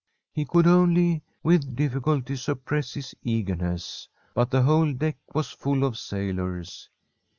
He could only with difficulty sup press his eagerness. But the whole deck was full of sailors.